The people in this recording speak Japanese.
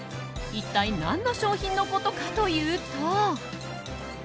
一体何の商品のことかというと。